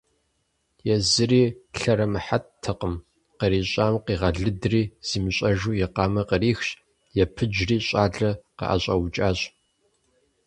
Езыри лъэрымыхьтэкъым, кърищӀам къигъэлыдри, зимыщӀэжу и къамэр кърихщ, епыджри щӏалэр къыӀэщӀэукӀащ.